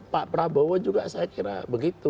pak prabowo juga saya kira begitu